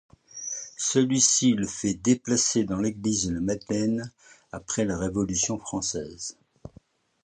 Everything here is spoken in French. Celui-ci le fait déplacer dans l'église de la Madeleine après la Révolution française.